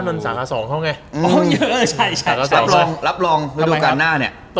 แม่มากโอ้โห